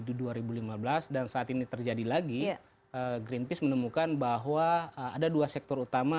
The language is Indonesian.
di dua ribu lima belas dan saat ini terjadi lagi greenpeace menemukan bahwa ada dua sektor utama